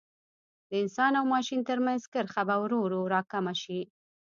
د انسان او ماشین ترمنځ کرښه به ورو ورو را کمه شي.